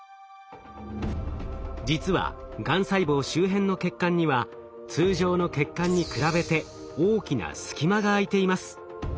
実はがん細胞周辺の血管には通常の血管に比べて大きな隙間があいています。